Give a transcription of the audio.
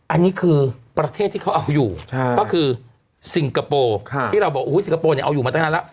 อันนี้คือประเทศที่เขาเอาอยู่ก็คือซิงคโปร์ที่เราบอกสิงคโปร์เนี่ยเอาอยู่มาตั้งนานแล้ว